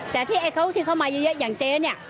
แต่ที่เขามาเยอะอย่างเจ๊เนี่ย